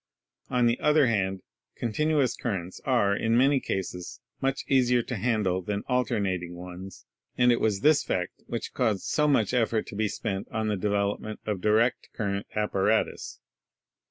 On the other hand, continuous currents are, in many cases, much easier to handle than alternating ones, and it was this fact ELECTRO MAGNETIC MACHINERY 199 which caused so much effort to be spent on the develop ment of direct current apparatus.